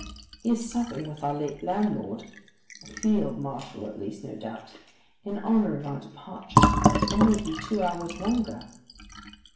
He is supping with our late landlord (a Field Marshal, at least, no doubt) in honour of our departure, and may be two hours longer.